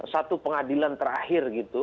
satu pengadilan terakhir gitu